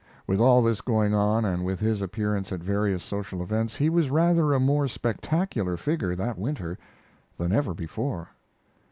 With all this going on, and with his appearance at various social events, he was rather a more spectacular figure that winter than ever before.